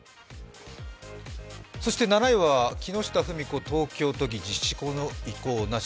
そして７位は木下富美子東京都議の辞職の意向なし。